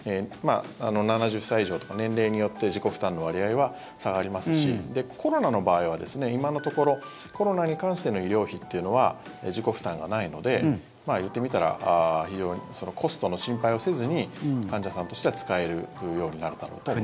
７０歳以上とか、年齢によって自己負担の割合は下がりますしコロナの場合は、今のところコロナに関しての医療費っていうのは自己負担がないのでいってみたらコストの心配をせずに患者さんとしては使えるようになるだろうと思います。